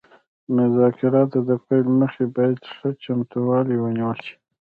د مذاکراتو د پیل مخکې باید ښه چمتووالی ونیول شي